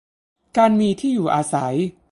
การมีที่อยู่อาศัย